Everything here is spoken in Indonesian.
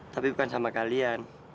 tapi bukan sama kalian